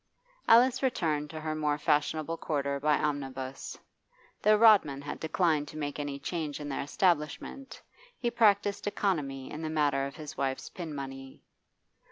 Alice returned to her more fashionable quarter by omnibus. Though Rodman had declined to make any change in their establishment, he practised economy in the matter of his wife's pin money.